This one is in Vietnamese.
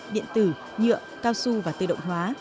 điện tử nhựa cao su và tự động hóa